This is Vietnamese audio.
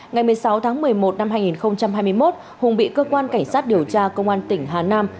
ngày một mươi sáu tháng một mươi một năm hai nghìn hai mươi một hùng bị cơ quan cảnh sát điều tra công an tỉnh hà nam